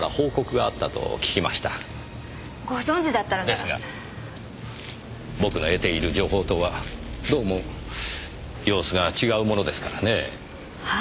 ですが僕の得ている情報とはどうも様子が違うものですからね。は？